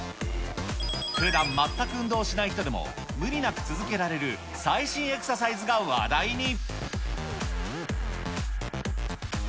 ふだん全く運動しない人でも、無理なく続けられる、最新エクササイズが話題に。